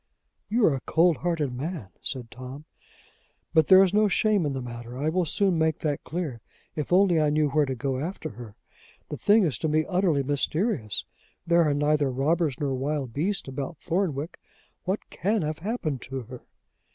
"You are a cold hearted man," said Tom. "But there is no shame in the matter. I will soon make that clear if only I knew where to go after her. The thing is to me utterly mysterious: there are neither robbers nor wild beasts about Thornwick. What can have happened to her?"